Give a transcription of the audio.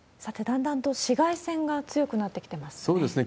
だんだんと紫外線が強くなってきてますね。